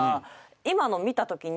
今の見たときに。